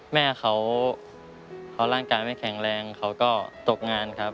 แม่เขาร่างกายไม่แข็งแรงเขาก็ตกงานครับ